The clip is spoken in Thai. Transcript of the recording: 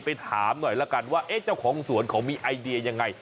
ไปถามหน่อยละกันว่าเจ้าของสวนเขามีไอเดียยังไง